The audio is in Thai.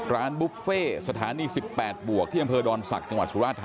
ร้านบุฟเฟ่สถานีสิบแปดบวกที่บดอนสักจังหวัดสุราชินภาค